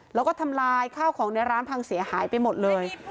แล้วก็ทำลายข้าวของในร้านพังเสียหายไปหมดเลย